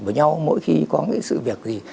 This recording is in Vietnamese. với nhau mỗi khi có cái sự việc gì